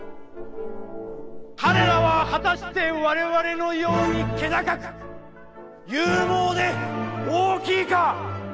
彼らは果たしてわれわれのように気高く、勇猛で、大きいか？